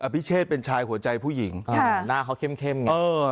อภิเชษเป็นชายหัวใจผู้หญิงหน้าเขาเข้มอย่างนี้